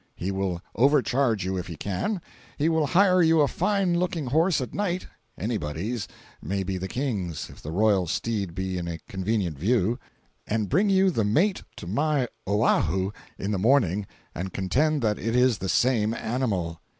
He will overcharge you if he can; he will hire you a fine looking horse at night (anybody's—may be the King's, if the royal steed be in convenient view), and bring you the mate to my Oahu in the morning, and contend that it is the same animal.